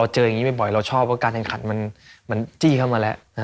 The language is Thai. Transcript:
เจออย่างนี้บ่อยเราชอบว่าการแข่งขันมันจี้เข้ามาแล้ว